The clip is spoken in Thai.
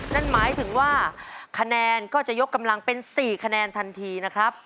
นั่นหมายถึงว่าคะแนนก็จะยกกำลังเป็น๔คะแนนทันทีนะครับ